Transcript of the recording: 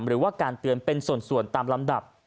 หรือว่าการเตือนเป็นส่วนตามลำดับ